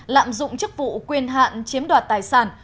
lạm dụng chức vụ quyền hạn chiếm đoạt tài sản